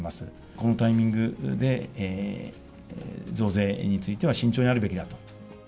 このタイミングで増税については、慎重になるべきだと。